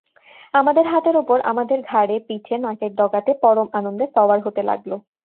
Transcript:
আমাদের হাতের ওপর, আমাদের ঘাড়ে-পিঠে, নাকের ডগাতে, পরম আনন্দে সওয়ার হতে লাগল।